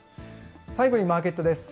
最後にマーケットです。